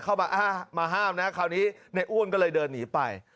มาห้ามนะคราวนี้ในอ้วนก็เลยเดินหนีไป